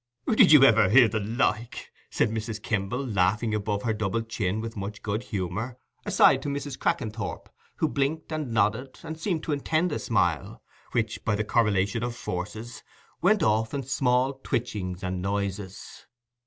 "Did you ever hear the like?" said Mrs. Kimble, laughing above her double chin with much good humour, aside to Mrs. Crackenthorp, who blinked and nodded, and seemed to intend a smile, which, by the correlation of forces, went off in small twitchings and noises.